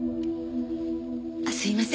あっすいません。